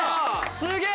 すげえ！